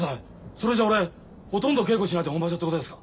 それじゃ俺ほとんど稽古しないで本場所ってことですか。